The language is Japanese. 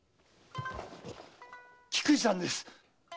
菊路さんです！